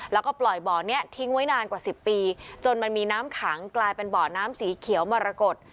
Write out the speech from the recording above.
แล้วก็ปล่อยบ่อนี้ทิ้งไว้นานกว่า๑๐ปีจนมันมีน้ำขังกลายเป็นบ่อน้ำสีเขียวมรกฏ